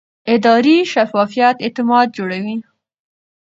اداري شفافیت اعتماد جوړوي